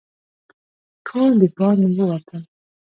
ټول د باندې ووتل.